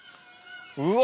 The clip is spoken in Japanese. うわ。